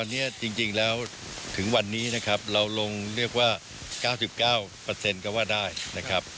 ตอนเนี้ยจริงจริงแล้วถึงวันนี้นะครับเราลงเรียกว่าเก้าสิบเก้าเปอร์เซ็นต์ก็ว่าได้นะครับ